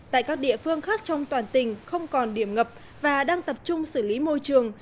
tại các địa phương khác trong toàn tỉnh không còn điểm ngập và đang tập trung xử lý môi trường